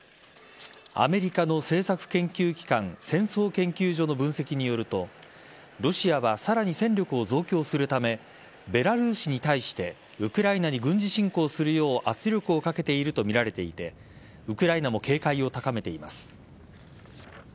アメリカの政策研究機関戦争研究所の分析によるとロシアはさらに戦力を増強するためベラルーシに対してウクライナに軍事侵攻するよう圧力をかけているとみられていてウクライナも警戒を高めています。